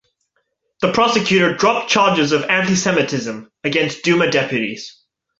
The Prosecutor dropped charges of antisemitism against Duma deputies.